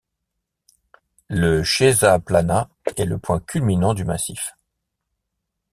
Le Schesaplana est le point culminant du massif.